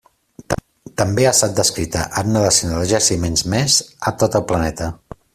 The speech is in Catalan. També ha estat descrita en una desena de jaciments més a tot el planeta.